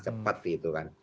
cepat gitu kan